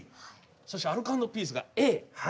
そしてアルコ＆ピースが「Ａ」。